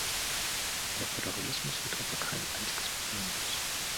Der Föderalismus wird aber kein einziges Problem lösen.